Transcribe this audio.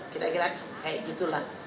kira kira kayak gitu lah